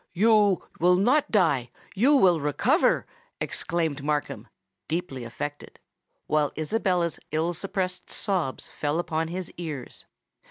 "You will not die—you will recover!" exclaimed Markham, deeply affected, while Isabella's ill suppressed sobs fell upon his ears.